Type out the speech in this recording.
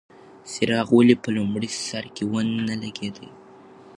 څراغ ولې په لومړي سر کې نه و لګېدلی؟